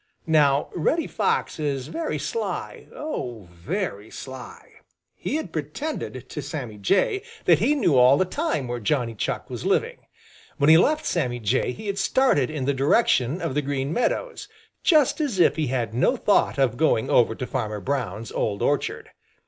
Now Reddy Fox is very sly, oh, very sly. He had pretended to Sammy Jay that he knew all the time where Johnny Chuck was living. When he left Sammy Jay, he had started in the direction of the Green Meadows, just as if he had no thought of going over to Farmer Brown's old orchard.